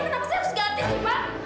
kenapa saya harus ganti su mar